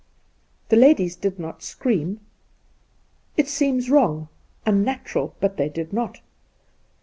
The ladies did not scream ! It seems wrong — unnatural; but they did not.